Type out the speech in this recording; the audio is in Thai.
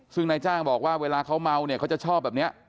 ซึ่งนายจ้างบอกว่าเวลาเขาเมาเนี่ยเขาจะชอบแบบนี้